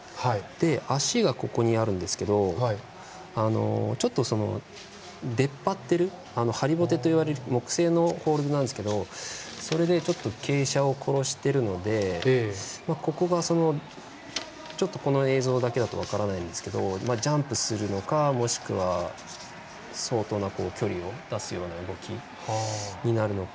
足があるんですけどちょっと出っ張ってるハリボテと呼ばれる木製のホールドなんですけどそれでちょっと傾斜を殺してるのでこの映像だけだと分からないんですがジャンプするのかもしくは相当な距離を出すような動きになるのか。